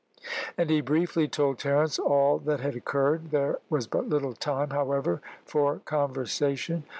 And he briefly told Terence all that had occurred. There was but little time, however, for conversation.